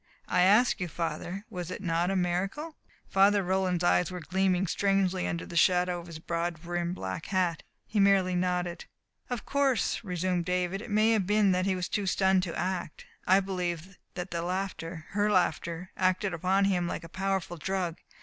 I ask you, Father was it not a miracle?" Father Roland's eyes were gleaming strangely under the shadow of his broad brimmed black hat. He merely nodded. "Of course," resumed David, "it may be that he was too stunned to act. I believe that the laughter her laughter acted upon him like a powerful drug.